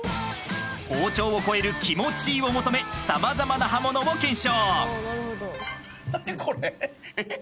［包丁を超える「気持ちいい」を求め様々な刃物を検証］